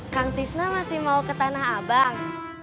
kang tisna masih mau ke tanah abang